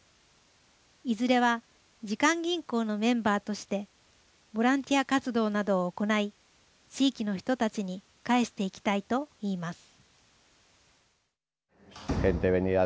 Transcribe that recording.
いずれは時間銀行のメンバーとしてボランティア活動などを行い地域の人たちに返していきたいと言います。